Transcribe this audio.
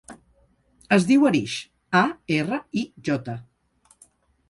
Es diu Arij: a, erra, i, jota.